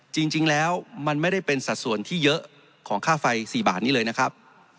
จริงแล้วมันไม่ได้เป็นสัดส่วนที่เยอะของค่าไฟ๔บาทนี้เลยนะครับ